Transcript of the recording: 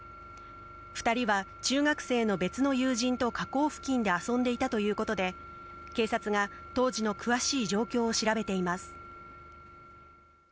２人は中学生の別の友人と河口付近で遊んでいたということで、警察が当時の詳しい状況を調べています。